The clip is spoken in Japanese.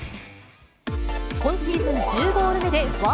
今シーズン１０ゴール目でワ